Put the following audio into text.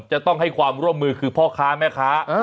จะต้องให้ความร่วมมือคือพ่อค้าแม่ค้า